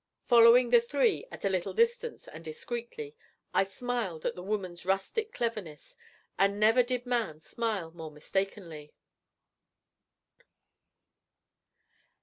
Following the three at a little distance, and discreetly, I smiled at the woman's rustic cleverness; and never did man smile more mistakenly.